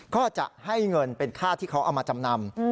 ก็จะให้เงินเป็นค่าที่เขาเอามาจำนำ